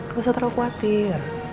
gak usah terlalu khawatir